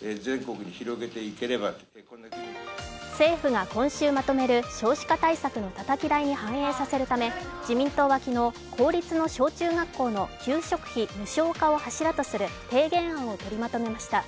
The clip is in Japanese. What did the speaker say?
政府が今週まとめる少子化対策のたたき台に反映させるため、自民党は昨日、公立の小中学校の給食費無償化を柱とする提言案を取りまとめました。